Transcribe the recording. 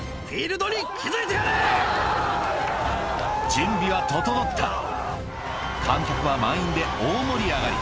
準備は整った観客は満員で大盛り上がり